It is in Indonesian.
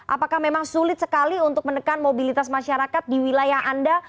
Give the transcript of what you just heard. apakah memang sulit sekali untuk menekan mobilitas masyarakat di wilayah anda